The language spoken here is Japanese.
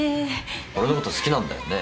俺のこと好きなんだよね？